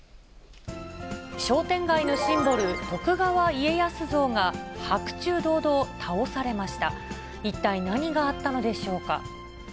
商店街のシンボル、徳川家康像が白昼堂々、倒されました。